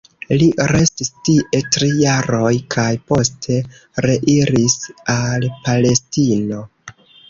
Li restis tie tri jaroj, kaj poste reiris al Palestino.